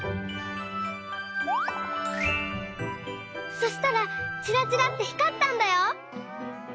そしたらちらちらってひかったんだよ！